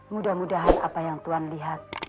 mudah mudahan apa yang tuhan lihat